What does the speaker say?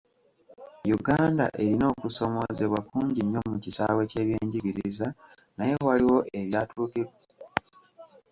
Uganda erina okusomoozebwa kungi nnyo mu kisaawe ky'ebyenjigiriza, naye waliwo ebyatuukiddwako ebyalambikiddwa Minisita w'ebyenjigiriza n'emizannyo.